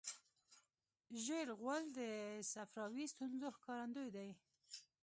ژېړ غول د صفراوي ستونزو ښکارندوی دی.